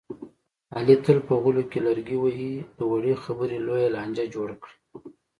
علي تل په غولو کې لرګي وهي، له وړې خبرې لویه لانجه جوړه کړي.